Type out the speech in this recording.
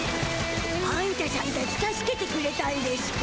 あんたしゃんたち助けてくれたんでしゅか？